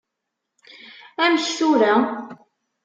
Amek tura?